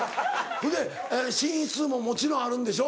ほいで寝室ももちろんあるんでしょ？